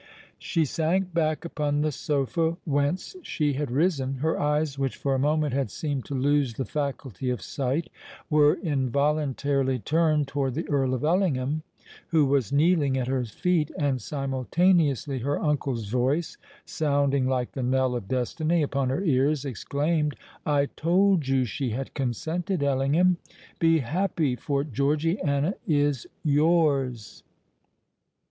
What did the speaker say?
She sank back upon the sofa whence she had risen: her eyes, which for a moment had seemed to lose the faculty of sight, were involuntarily turned toward the Earl of Ellingham, who was kneeling at her feet;—and simultaneously her uncle's voice, sounding like the knell of destiny upon her ears, exclaimed, "I told you she had consented, Ellingham: be happy—for Georgiana is yours!"